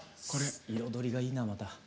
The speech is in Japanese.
彩りがいいなまた。